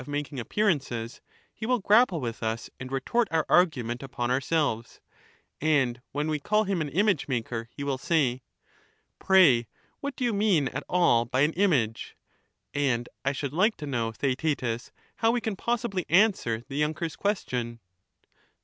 making appearances, he will grapple with us and retort our argument upon ourselves; and when we call him an image maker he will say, ' Pray what do you mean at all by an image?* — and I should like to know, Theaetetus, how we can possibly answer the younker's question